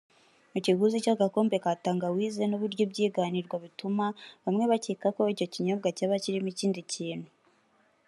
Ikiguzi cy’agakombe ka Tangawizi n’uburyo ibyiganirwa bituma bamwe bakeka ko icyo kinyobwa cyaba kirimo ikindi kintu